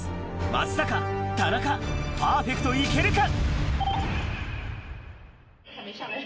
松坂、田中、パーフェクトいけるか。